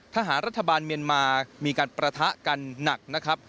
ทหารรัฐบาลเมียนมามีการประทะกันหนักนะครับ